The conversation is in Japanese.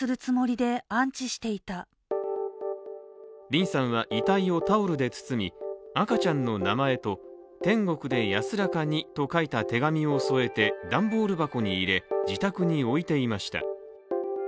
リンさんは遺体をタオルで包み赤ちゃんの名前と天国で安らかにと書いた手紙を添えて段ボール箱に入れ自宅に置いていました。